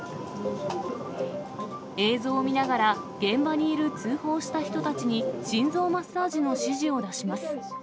映像を見ながら、現場にいる通報した人たちに、心臓マッサージの指示を出します。